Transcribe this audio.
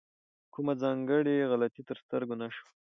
کومه ځانګړې غلطي تر سترګو نه شوه.